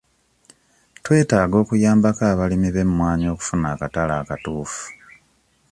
Twetaaga okuyambako abalimi b'emmwanyi okufuna akatale akatuufu.